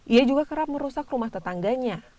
ia juga kerap merusak rumah tetangganya